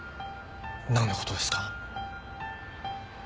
なんの事ですか？